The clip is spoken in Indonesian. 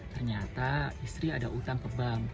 ternyata istri ada utang ke bank